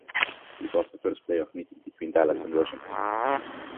This was the first playoff meeting between Dallas and Washington.